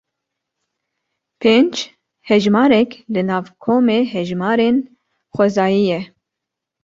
Pênc hejmarek li nav komê hejmarên xwezayî ye.